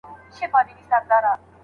د څښاک پاکي اوبه د هر انسان حق دی.